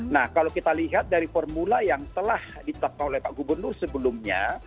nah kalau kita lihat dari formula yang telah ditetapkan oleh pak gubernur sebelumnya